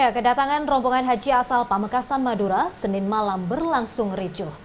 kedatangan rombongan haji asal pamekasan madura senin malam berlangsung ricuh